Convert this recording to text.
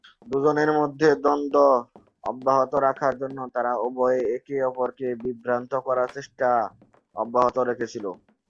দুজনের মধ্যে দ্বন্দ্ব অব্যাহত রাখার জন্য তারা উভয়ে একে অপরকে বিভ্রান্ত করার চেষ্টা অব্যাহত রেখেছিল।